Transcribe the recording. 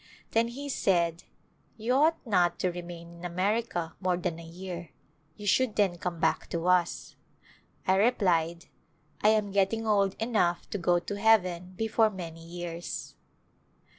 Then he said, " You ought not to re main in America more than a year. You should then come back to us." I replied, " I am getting old enough to go to heaven before many years."